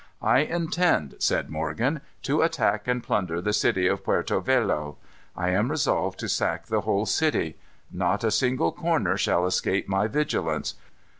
"I intend," said Morgan, "to attack and plunder the city of Puerto Velo. I am resolved to sack the whole city. Not a single corner shall escape my vigilance.